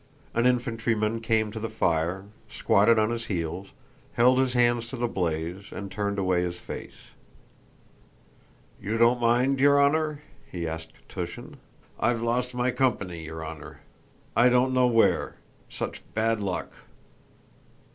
An infantryman came to the fire, squatted on his heels, held his hands to the blaze, and turned away his face. "You don't mind your honor?" he asked Túshin. "I've lost my company, your honor. I don't know where... such bad luck!"